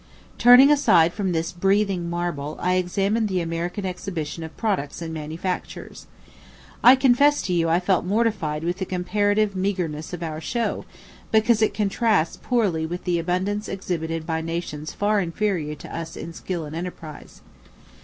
Turning aside from this "breathing marble," I examined the American exhibition of products and manufactures. I confess to you I felt mortified with the comparative meagreness of our show, because it contrasts poorly with the abundance exhibited by nations far inferior to us in skill and enterprise.